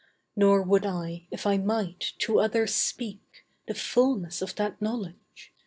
Nor would I, if I might, to others speak, The fulness of that knowledge.